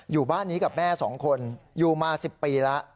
อยู่บ้านนี้กับแม่๒คนอยู่มา๑๐ปีแล้ว